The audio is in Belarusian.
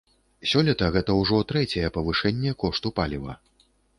Сёлета гэта ўжо трэцяе павышэнне кошту паліва.